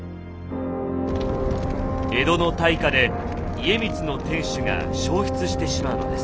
江戸の大火で家光の天守が焼失してしまうのです。